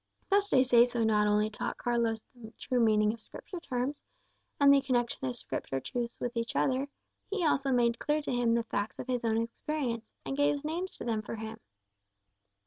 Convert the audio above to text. Thus De Seso not only taught Carlos the true meaning of Scripture terms, and the connection of Scripture truths with each other; he also made clear to him the facts of his own experience, and gave names to them for him.